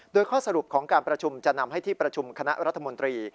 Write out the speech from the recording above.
โดยข้อสรุปของการประชุมจะนำให้ที่ประชุมคณะรัฐมนตรี